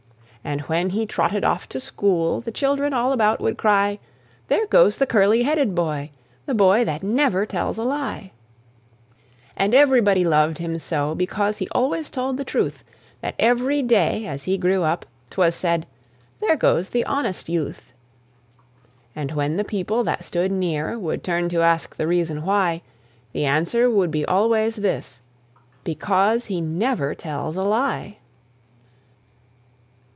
And when he trotted off to school, The children all about would cry, "There goes the curly headed boy The boy that never tells a lie." And everybody loved him so, Because he always told the truth, That every day, as he grew up, 'Twas said, "There goes the honest youth." And when the people that stood near Would turn to ask the reason why, The answer would be always this: "Because he never tells a lie."